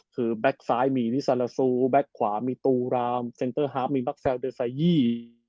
คือแก๊กซ้ายมีนิซาลาซูแก๊กขวามีตูรามเซ็นเตอร์ฮาร์ฟมีแก๊แซวเดอร์ไซยี่